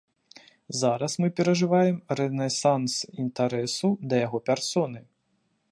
Зараз мы перажываем рэнесанс інтарэсу да яго персоны.